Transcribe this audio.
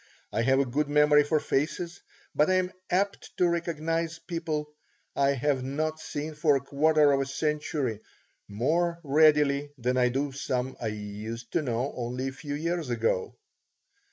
I have a good memory for faces, but I am apt to recognize people I have not seen for a quarter of a century more readily than I do some I used to know only a few years ago.